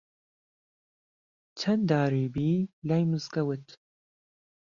چەن داری بی لای مزگەوت